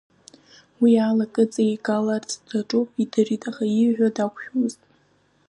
Уи ала ак иҵеигаларц дшаҿу идырит, аха ииҳәо дақәшәомызт.